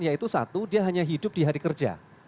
yaitu satu dia hanya hidup di hari kerja